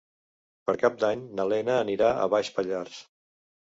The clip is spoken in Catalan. Per Cap d'Any na Lena anirà a Baix Pallars.